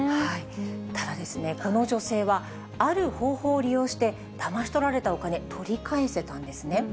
ただですね、この女性はある方法を利用して、だまし取られたお金、取り返せたんですね。